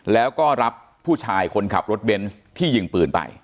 แล้วก็รับผู้ชายคนขับรถเบนส์ที่ยิงปืนไป